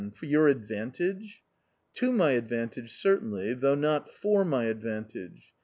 For your advantage ?"" To my advantage, certainly, though not for my advan tage.